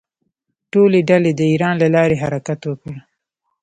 ټولې ډلې د ایران له لارې حرکت وکړ.